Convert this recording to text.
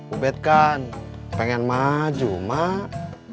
ubed kan pengen maju mak